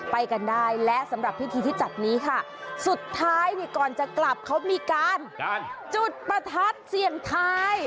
ไปกันได้และสำหรับพิธีที่จัดนี้ค่ะสุดท้ายเนี่ยก่อนจะกลับเขามีการจุดประทัดเสี่ยงทาย